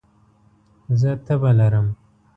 زه تبه لرم